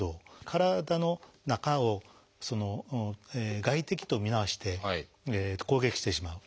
体の中を外敵と見なして攻撃してしまう。